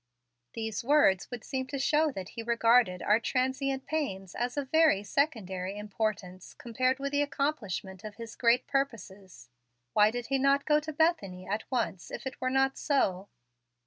These words would seem to show that He regarded our transient pains as of very secondary importance compared with the accomplishment of His great purposes. Why did He not go to Bethany at once, if it were not so?"